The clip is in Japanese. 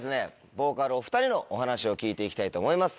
ボーカルお２人のお話を聞いて行きたいと思います。